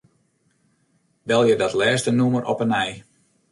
Belje dat lêste nûmer op 'e nij.